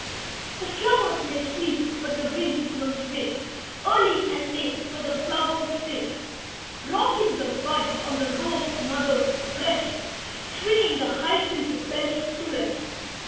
The flowers may sleep, but the winds must wake Early and late, for the flowers' sake. Rocking the buds on the rose mother's breast, Swinging the hyacinth bells to rest.